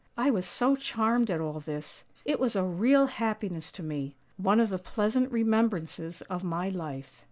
I was so charmed at all this: it was a real happiness to me — one of the pleasant remembrances of my life."